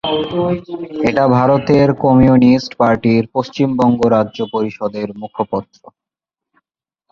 এটা ভারতের কমিউনিস্ট পার্টির পশ্চিমবঙ্গ রাজ্য পরিষদের মুখপত্র।